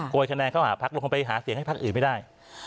ยคะแนนเข้าหาพักลงคงไปหาเสียงให้พักอื่นไม่ได้